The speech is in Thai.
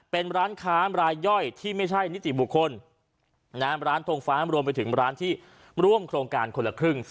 เป็นร้านค้ารายย่อยที่ไม่ใช่นิติบุคคลร้านทงฟ้ารวมไปถึงร้านที่ร่วมโครงการคนละครึ่ง